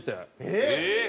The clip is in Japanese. えっ！